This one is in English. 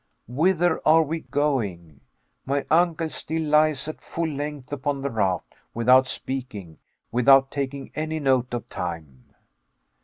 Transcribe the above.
Whither are we going? My uncle still lies at full length upon the raft, without speaking without taking any note of time.